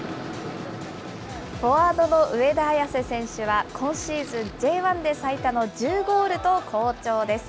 フォワードの上田綺世選手は今シーズン、Ｊ１で最多の１０ゴールと好調です。